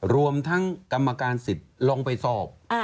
รวมทั้งกรรมการสิทธิ์ลองไปสอบ